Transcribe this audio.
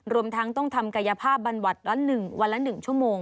รวมทั้งต้องทำกายภาพบรรวัตรวันล้านหนึ่งชั่วโมง